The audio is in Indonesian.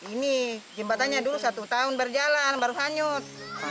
ini jembatannya dulu satu tahun berjalan baru hanyut